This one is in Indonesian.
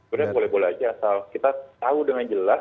sebenarnya boleh boleh aja asal kita tahu dengan jelas